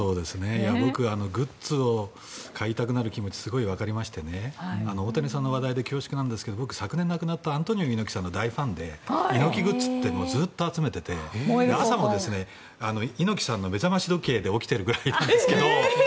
グッズを買いたくなる気持ちすごくわかりましてね大谷さんの話題で恐縮ですが昨年亡くなったアントニオ猪木さんの大ファンで猪木グッズってずっと集めていて朝も、猪木さんの目覚まし時計で起きてるぐらいなんですけど。